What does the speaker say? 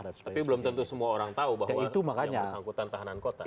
tapi belum tentu semua orang tahu bahwa yang bersangkutan tahanan kota